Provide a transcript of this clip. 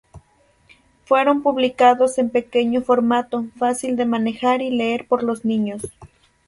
Fueron publicados en pequeño formato, fácil de manejar y leer por los niños.